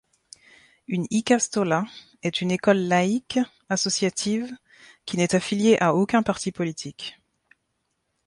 Une ikastola est une école laïque, associative, qui n'est affiliée à aucun parti politique.